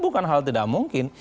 bukan hal tidak mungkin